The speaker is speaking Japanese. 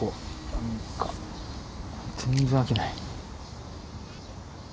何か全然飽きない。